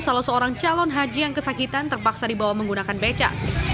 salah seorang calon haji yang kesakitan terpaksa dibawa menggunakan beca